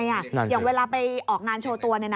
อย่างเวลาไปออกงานโชว์ตัว